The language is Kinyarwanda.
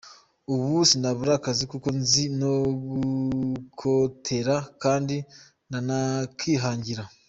Ubu sinabura akazi kuko nzi no gukotera kandi nanakihangira.